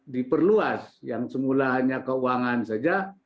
diperluas yang semula hanya keuangan saja